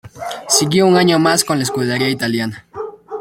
Siguió un año más con la escudería italiana.